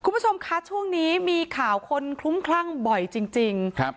คุณผู้ชมคะช่วงนี้มีข่าวคนคลุ้มคลั่งบ่อยจริงจริงครับ